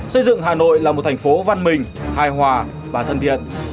xây dựng hà nội là một thành phố văn minh hài hòa và thân thiện